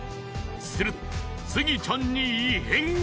するとスギちゃんに異変が。